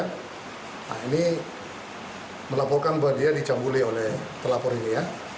nah ini melaporkan bahwa dia dicabuli oleh telapor ini ya